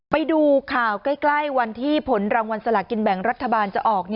ไปดูข่าวใกล้วันที่ผลรางวัลสลากินแบ่งรัฐบาลจะออก